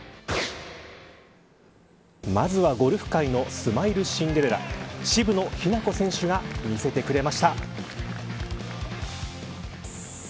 まずはゴルフ界のスマイルシンデレラ渋野日向子選手が見せてくれました。